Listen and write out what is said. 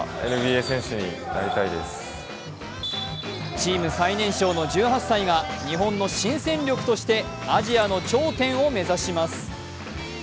チーム最年少の１８歳が日本の新戦力としてアジアの頂点を目指します。